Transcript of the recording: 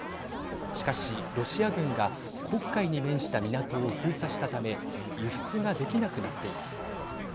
しかし、ロシア軍が黒海に面した港を封鎖したため輸出ができなくなっています。